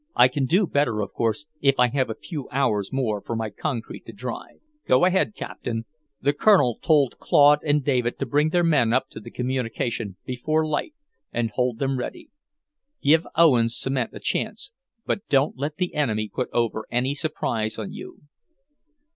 I can do better, of course, if I have a few hours more for my concrete to dry." "Go ahead, Captain." The Colonel told Claude and David to bring their men up to the communication before light, and hold them ready. "Give Owens' cement a chance, but don't let the enemy put over any surprise on you."